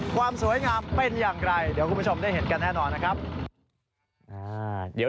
ความสวยงามเป็นอย่างไรเดี๋ยวคุณผู้ชมได้เห็นกันแน่นอนนะครับ